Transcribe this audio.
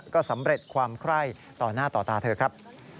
ก็สำเร็จความไคร้ต่อหน้าต่อตาเธอครับ